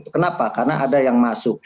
kenapa karena ada yang masuk